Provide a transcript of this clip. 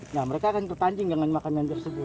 nah mereka akan tertanding dengan makanan tersebut